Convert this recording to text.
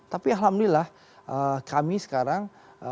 tapi alhamdulillah kami sekarang